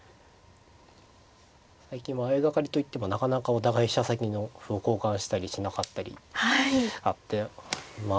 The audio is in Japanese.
最近も相掛かりといってもなかなかお互い飛車先の歩を交換したりしなかったりあって間合いが難しいというか。